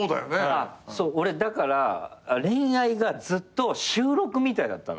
あっそう俺だから恋愛がずっと収録みたいだったの。